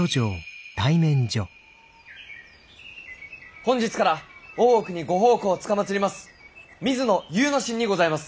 本日から大奥にご奉公つかまつります